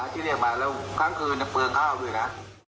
ที่เรียกมาแล้วข้างคืนเดี๋ยวเปลืองข้าวด้วยนะ